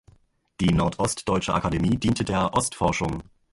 Die Nordostdeutsche Akademie diente der Ostforschung.